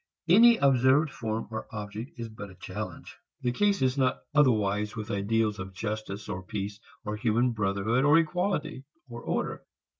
Any observed form or object is but a challenge. The case is not otherwise with ideals of justice or peace or human brotherhood, or equality, or order.